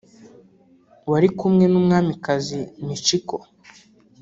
wari kumwe n’Umwamikazi Michiko